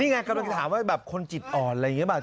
นี่ไงกำลังถามว่าคนจิตอ่อนอะไรอย่างนี้บ้าง